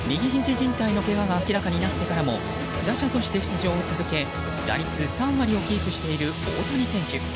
じん帯のけがが明らかになってからも打者として出場を続け打率３割をキープしている大谷選手。